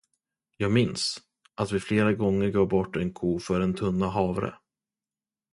Jag minns, att vi flera gånger gav bort en ko för en tunna havre.